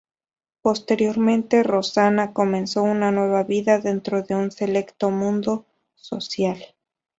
Posteriormente Rosanna comenzó una nueva vida dentro de un selecto mundo social.